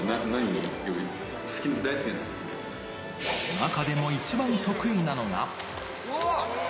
中でも一番得意なのが。